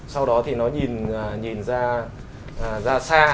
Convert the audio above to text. sau đó thì nó nhìn ra xa